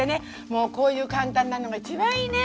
もうこういう簡単なのが一番いいね。